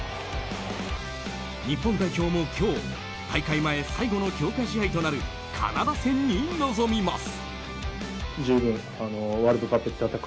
日本代表も今日大会前最後の強化試合となるカナダ戦に臨みます。